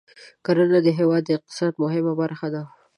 کرنه د هېواد د اقتصاد مهمه برخه ده.